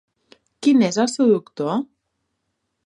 Quin és el seu doctor?